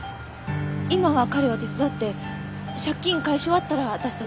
今は彼を手伝って借金返し終わったら私たち。